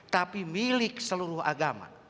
tapi milik seluruh agama